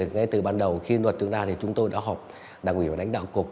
ngay từ ban đầu khi luật tương lai thì chúng tôi đã học đảng ủy và đánh đạo cục